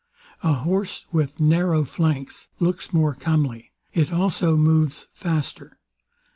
8. (A horse with narrow flanks looks more comely; It also moves faster.